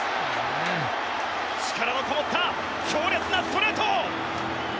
力のこもった強烈なストレート！